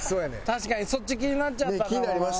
確かにそっち気になっちゃったからな。